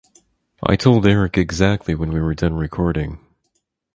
I told Eric exactly when we were done recording.